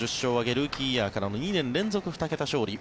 ルーキーイヤーからの２年連続２桁勝利。